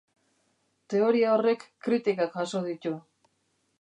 Teoria horrek kritikak jaso ditu.